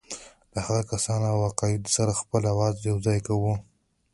له هغو کسانو او عقایدو سره خپل آواز یوځای کوو.